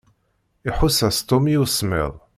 Iḥuss-as Tom i usemmiḍ.